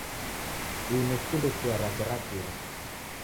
Ini sikunde chia rake ra kira.